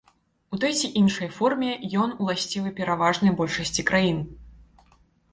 У той ці іншай форме ён уласцівы пераважнай большасці краін.